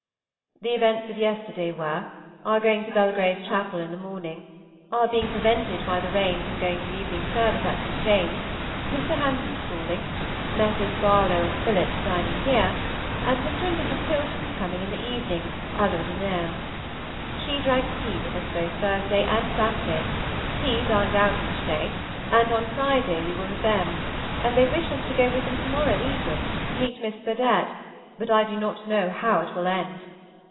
The events of yesterday were, our going to Belgrave Chapel in the morning, our being prevented by the rain from going to evening service at St. James, Mr. Hampson's calling, Messrs. Barlow and Phillips dining here, and Mr. and Mrs. Tilson's coming in the evening à l'ordinaire. She drank tea with us both Thursday and Saturday; he dined out each day, and on Friday we were with them, and they wish us to go to them to morrow evening, to meet Miss Burdett, but I do not know how it will end.